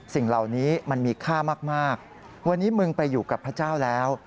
สิ่งเหล่านี้มันมีค่ามากวันนี้มึงไปอยู่กับพระเจ้าแล้ว